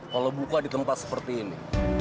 kalau buka di tempat seperti ini